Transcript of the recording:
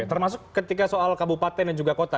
termasuk ketika soal kabupaten dan juga kota